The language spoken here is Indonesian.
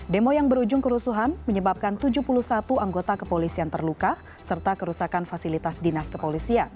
demo yang berujung kerusuhan menyebabkan tujuh puluh satu anggota kepolisian terluka serta kerusakan fasilitas dinas kepolisian